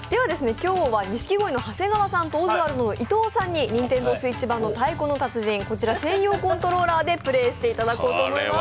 今日は錦鯉の長谷川さんとオズワルドの伊藤さんにＮｉｎｔｅｎｄｏＳｗｉｔｃｈ版の「太鼓の達人」専用コントローラーでプレーしてもらいたいと思います。